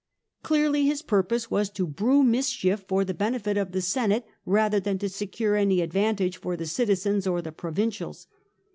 Clearly his purpose was to brew mischief for the benefit of the Senate, rather than to secure any advantage for the citizens or the provincials.